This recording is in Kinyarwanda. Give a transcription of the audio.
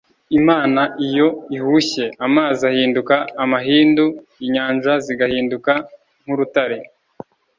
imana iyo ihushye, amazi ahinduka amahindu, inyanja zigahinduka nk'urutare